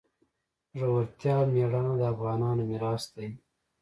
زړورتیا او میړانه د افغانانو میراث دی.